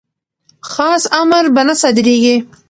خاص امر به نه صادریږي.